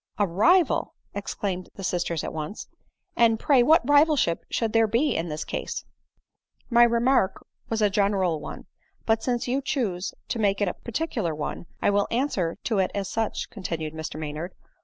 "A rival !" exclaimed the sisters at once; "And, pray, what rivalship could there be in this case ?"" My remark was a general one ; but since you choose to make it a particular one, I will answer to it as such," continued Mr Maynard.